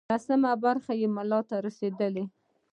لسمه برخه یې ملا ته رسېدله.